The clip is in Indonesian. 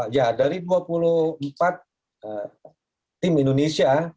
ya dari dua puluh empat tim indonesia